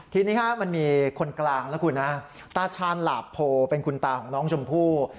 ทีนี้มันมีคนกลางนะคุณนะตาชาญหลาบโพเป็นคุณตาของน้องชมพู่